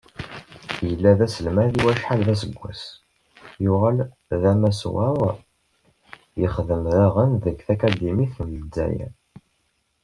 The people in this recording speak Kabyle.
Yella d aselmad i wacḥal d aseggas, yuɣal d amaswaḍ, yexdem daɣen deg tkadimt n Lezzayer.